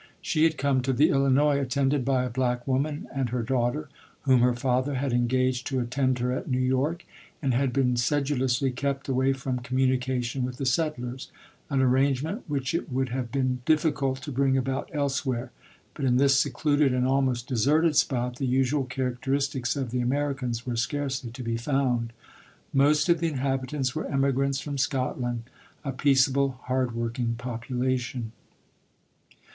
She had come to the Illinois attended by a black woman and her daughter, whom her father had engaged to attend her at New York, and had been sedulously kept away from communication with the settlers — an arrangement which it would have been diffi cult to bring about elsewhere, but in this seclud ed and almost deserted spot the usual charac teristics of the Americans were scarcely to be found. Most of the inhabitants were emigrants from Scotland, a peaceable, hard working popu lation.